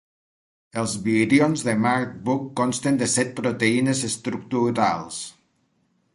Els virions de Marburg consten de set proteïnes estructurals.